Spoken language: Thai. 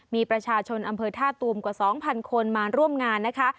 มีประชาชนอำเภอท่าตูมกว่า๒๐๐คนมาร่วมงานนะคะ